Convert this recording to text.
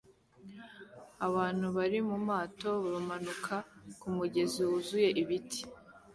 Abantu bari mumato bamanuka kumugezi wuzuye ibiti